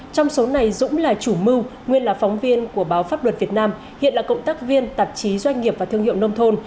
trong số này dũng là chủ mưu nguyên là phóng viên của báo pháp luật việt nam hiện là cộng tác viên tạp chí doanh nghiệp và thương hiệu nông thôn